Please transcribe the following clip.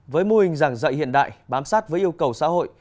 với mô hình giảng dạy hiện đại bám sát với yêu cầu xã hội